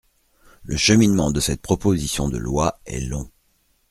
Le cheminement de cette proposition de loi est long.